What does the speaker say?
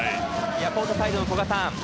コートサイドの古賀さん